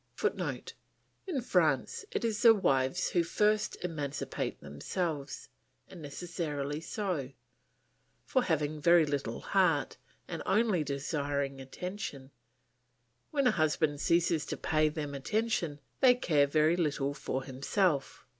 [Footnote: In France it is the wives who first emancipate themselves; and necessarily so, for having very little heart, and only desiring attention, when a husband ceases to pay them attention they care very little for himself.